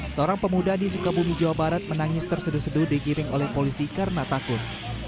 seorang pemuda di sukabumi jawa barat menangis terseduh seduh digiring oleh polisi karena takut